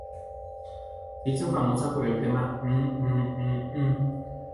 Se hizo famosa por el tema ""Mmm Mmm Mmm Mmm"".